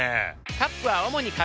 カップは主に紙。